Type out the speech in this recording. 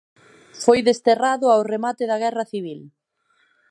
Foi desterrado ao remate da guerra civil.